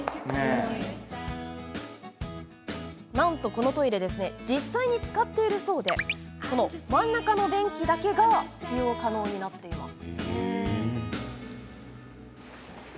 なんと、このトイレは実際に使っているそうで真ん中の便器だけが使用可能になっています。